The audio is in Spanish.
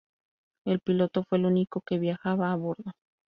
El piloto fue el único que viajaba a bordo.